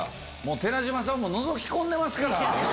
寺島さんものぞき込んでますから。